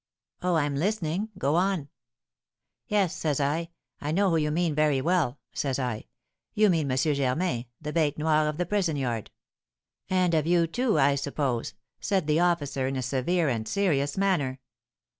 "Oh, I'm listening; go on." "'Yes,' says I, 'I know who you mean very well,' says I. 'You mean M. Germain, the bête noire of the prison yard.' 'And of you, too, I suppose?' said the officer, in a severe and serious manner.